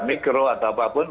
mikro atau apapun